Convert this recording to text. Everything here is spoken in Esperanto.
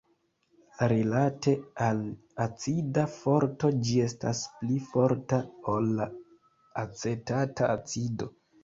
Rilate al acida forto ĝi estas pli forta ol la acetata acido.